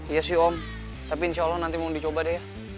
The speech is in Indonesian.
iya sih om tapi insya allah nanti mau dicoba deh ya